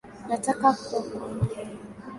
Nataka kuku